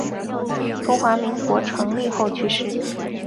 中华民国成立后去世。